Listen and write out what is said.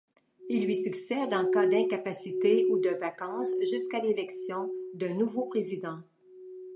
Il lui succède en cas d'incapacité ou de vacance jusqu'à l'élection d'un nouveau Président.